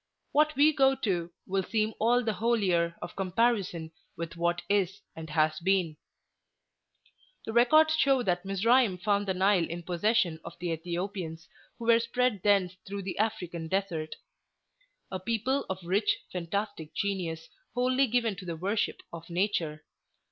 What we go to will seem all the holier of comparison with what is and has been. The records show that Mizraim found the Nile in possession of the Ethiopians, who were spread thence through the African desert; a people of rich, fantastic genius, wholly given to the worship of nature.